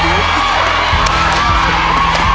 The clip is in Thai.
ยิงเลย